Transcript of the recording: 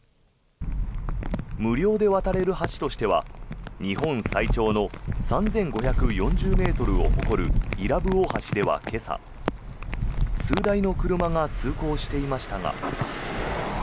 無料で渡れる橋としては日本最長の３５４０ｍを誇る伊良部大橋では今朝数台の車が通行していましたが。